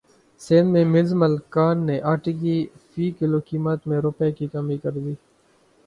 سندھ میں ملز مالکان نے اٹے کی فی کلو قیمت میں روپے کی کمی کردی